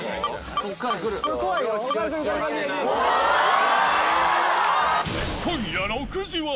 ここから来る・わ！